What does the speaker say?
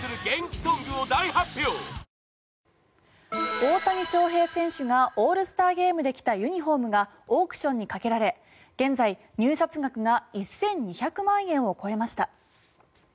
大谷翔平選手がオールスターゲームで着たユニホームがオークションにかけられ現在、入札額が１２００万円を超えました。